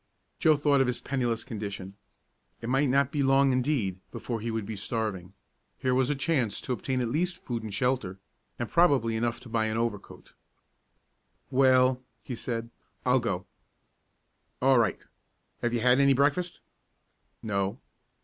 Joe thought of his penniless condition. It might not be long, indeed, before he would be starving. Here was a chance to obtain at least food and shelter, and probably enough to buy an overcoat. "Well," he said, "I'll go." "All right. Have you had any breakfast?" "No."